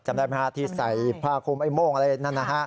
จำได้ไหมฮะที่ใส่ผ้าคุมไอ้โม่งอะไรนั่นนะฮะ